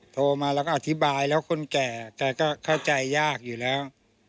โทรมาแล้วก็อธิบายแล้วคนแก่แกก็เข้าใจยากอยู่แล้ว